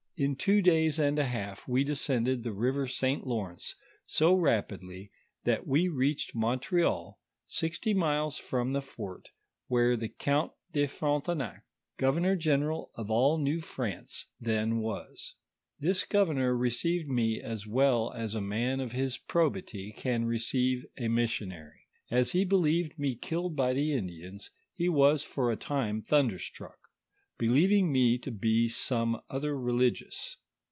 In two days and a half we descended the river St. Lawrence so rapidly that we reached Montreal (sixty miles from the fort), where the count de Frontenac, governor general of all New France then was. This governor received me as well as a man of his probity can receive e missionary. As he believed me killed by the Indians, he was for a time thunderstruck, be lieving me to be some other religious.